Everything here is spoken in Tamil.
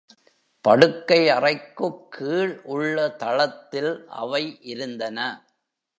படுக்கையறைக்கு கீழ் உள்ள தளத்தில் அவை இருந்தன.